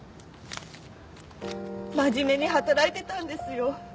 真面目に働いてたんですよ